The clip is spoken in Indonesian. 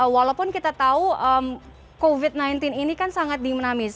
walaupun kita tahu covid sembilan belas ini kan sangat dimennamis